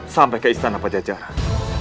sampai ke istana pajajaran